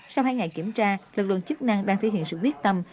sau hai ngày kiểm tra lực lượng chức năng đang thể hiện sự quyết tâm